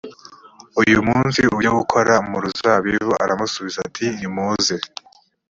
uyu munsi ujye gukora mu ruzabibu aramusubiza ati nimuze